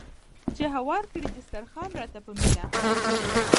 چې هوار کړي دسترخوان راته په مینه